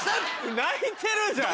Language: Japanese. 泣いてるじゃん。